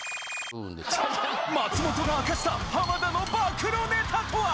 松本が明かした浜田の暴露ネタとは！？